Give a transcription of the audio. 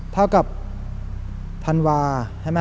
เท่ากับธันวาใช่ไหม